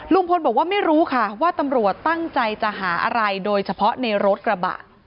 ลุงพลบอกว่าไม่รู้ค่ะว่าตำรวจตั้งใจจะหาอะไรโดยเฉพาะในรถกระบะ